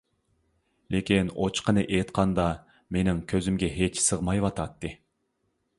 لېكىن ئوچۇقىنى ئېيتقاندا مېنىڭ كۆزۈمگە ھېچ سىغمايۋاتاتتى.